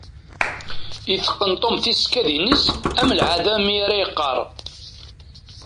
Iteqqen Tom tisekkadin-is am lɛada mi ara yeqqar.